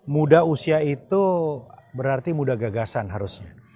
muda usia itu berarti muda gagasan harusnya